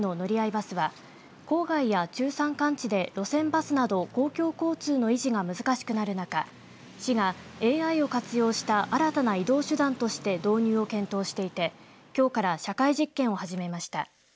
バスは郊外や中山間地で路線バスなど公共交通の維持が難しくなる中市がＡＩを活用した新たな移動手段として導入を検討していてきょうから社会実験を始めました。